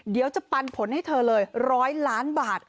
จะปันผลให้เธอเลย๑๐๐ล้านบาท